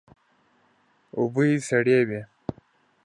اوبه یې سړې وې.